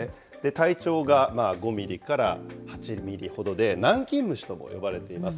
体長が５ミリから８ミリほどで、ナンキンムシとも呼ばれています。